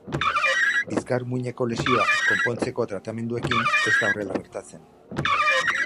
Bizkarmuineko lesioak konpontzeko tratamenduekin ez da horrela gertatzen.